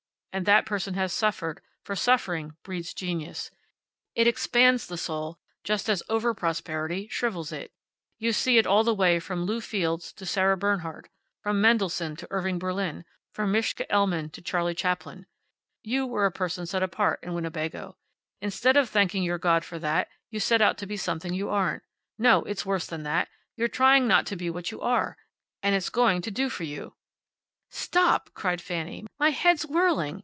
And that person has suffered, for suffering breeds genius. It expands the soul just as over prosperity shrivels it. You see it all the way from Lew Fields to Sarah Bernhardt; from Mendelssohn to Irving Berlin; from Mischa Elman to Charlie Chaplin. You were a person set apart in Winnebago. Instead of thanking your God for that, you set out to be something you aren't. No, it's worse than that. You're trying not to be what you are. And it's going to do for you." "Stop!" cried Fanny. "My head's whirling.